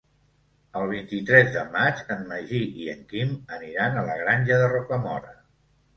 El vint-i-tres de maig en Magí i en Quim aniran a la Granja de Rocamora.